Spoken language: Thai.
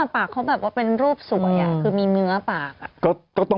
ปากเขาแบบว่าเป็นรูปสวยคือมีเนื้อปาก